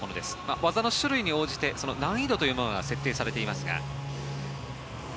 技の種類に応じて難易度というものが設定されていますが。